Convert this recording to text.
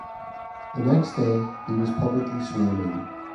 The next day, he was publicly sworn in.